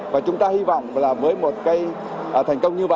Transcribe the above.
và chúng ta hy vọng là với một cái thành công như vậy